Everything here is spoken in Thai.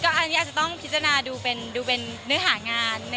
อันนี้อาจจะต้องพิจารณาดูเป็นเนื้อหางาน